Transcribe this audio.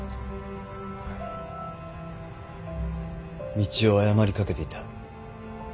道を誤りかけていた。